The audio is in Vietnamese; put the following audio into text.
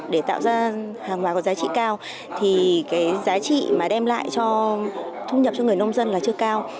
để tạo ra hàng hóa có giá trị cao thì cái giá trị mà đem lại cho thu nhập cho người nông dân là chưa cao